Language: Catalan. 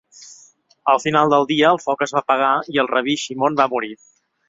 Al final del dia, el foc es va apagar i el rabí Shimon va morir.